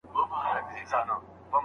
لوستې مور د صحي ژوند طريقه عملي کوي.